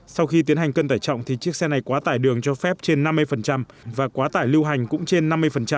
sau khi tiến hành cân tải trọng thì chiếc xe này quá tải đường cho phép trên năm mươi và quá tải lưu hành cũng trên năm mươi